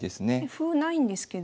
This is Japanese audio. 歩ないんですけど。